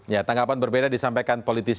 ya tanggapan berbeda disampaikan politisi